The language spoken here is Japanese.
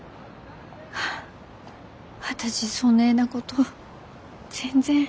あ私そねえなこと全然。